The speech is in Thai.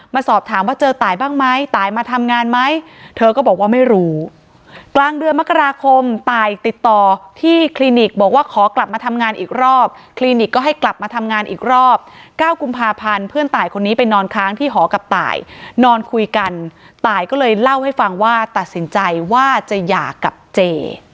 สอบถามว่าเจอตายบ้างไหมตายมาทำงานไหมเธอก็บอกว่าไม่รู้กลางเดือนมกราคมตายติดต่อที่คลินิกบอกว่าขอกลับมาทำงานอีกรอบคลินิกก็ให้กลับมาทำงานอีกรอบ๙กุมภาพันธ์เพื่อนตายคนนี้ไปนอนค้างที่หอกับตายนอนคุยกันตายก็เลยเล่าให้ฟังว่าตัดสินใจว่าจะหย่ากับเจ